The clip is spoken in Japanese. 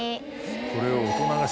これを。